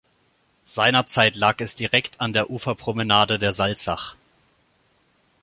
Seinerzeit lag es direkt an der Uferpromenade der Salzach.